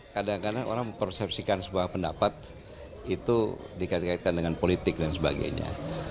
kadang kadang orang mempersepsikan sebuah pendapat itu dikait kaitkan dengan politik dan sebagainya